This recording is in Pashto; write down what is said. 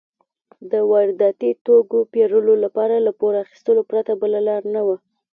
د وارداتي توکو پېرلو لپاره له پور اخیستو پرته بله لار نه وه.